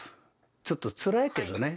ちょっとつらいけどね。